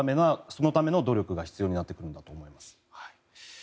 そのための努力が必要になってくるんだと思います。